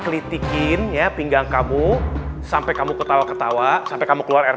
ketawa ketawa sampai kamu keluar air mata sampai kamu nggak bisa